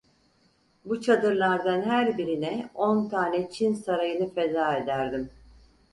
Bu çadırlardan her birine on tane Çin sarayını feda ederdim.